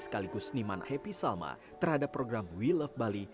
sekaligus seniman happy salma terhadap program we love bali